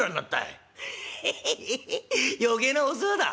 「ヘヘヘヘッ余計なお世話だ」。